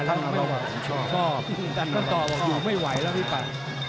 ท่านต่อบอกอยู่ไม่ไหวแล้วพี่ปั๊บ